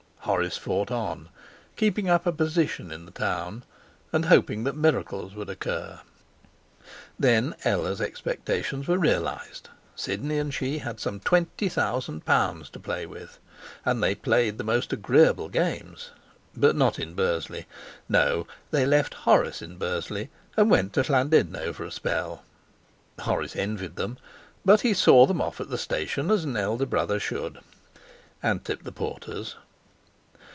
Horace fought on, keeping up a position in the town and hoping that miracles would occur. Then Ella's expectations were realized. Sidney and she had some twenty thousand pounds to play with. And they played the most agreeable games. But not in Bursley. No. They left Horace in Bursley and went to Llandudno for a spell. Horace envied them, but he saw them off at the station as an elder brother should, and tipped the porters.